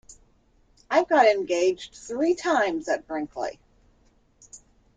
I've got engaged three times at Brinkley.